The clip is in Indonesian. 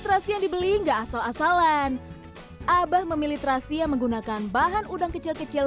terasi yang dibeli enggak asal asalan abah memilih terasi yang menggunakan bahan udang kecil kecil